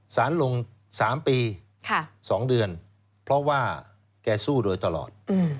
สารลง๓ปี๒เดือนเพราะว่าแกสู้โดยตลอด